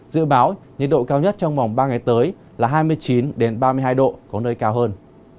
dự báo nhiệt độ cao nhất trong vòng ba ngày tới là hai mươi chín ba mươi hai độ có nơi cao hơn